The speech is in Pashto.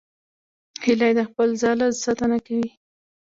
هیلۍ د خپل ځاله ساتنه کوي